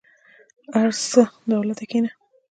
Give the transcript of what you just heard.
ارڅه دولته کينه.